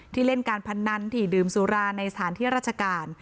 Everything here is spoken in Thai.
เล่นการพนันที่ดื่มสุราในสถานที่ราชการ